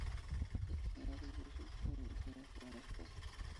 Las actuaciones de Russell en el cine fueron escasas.